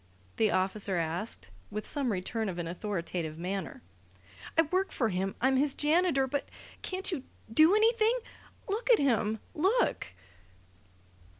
the officer asked, with some return of an authoritative manner. "I work for him. I'm his janitor. But can't you do anything? Look at him! Look!"